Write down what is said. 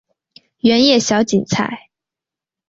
圆叶小堇菜